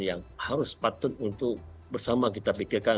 yang harus patut untuk bersama kita pikirkan